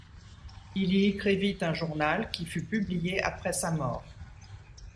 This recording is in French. Il y écrivit un journal, qui fut publié après sa mort.